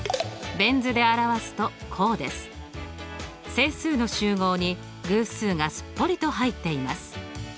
整数の集合に偶数がすっぽりと入っています。